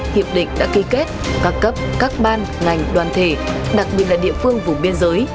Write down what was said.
hiệp định đã ký kết các cấp các ban ngành đoàn thể đặc biệt là địa phương vùng biên giới